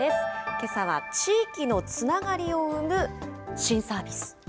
けさは地域のつながりを生む新サービス。